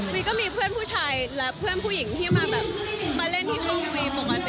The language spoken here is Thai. มีก็มีเพื่อนผู้ชายและเพื่อนผู้หญิงที่มาเล่นที่โครงคลิปปกติ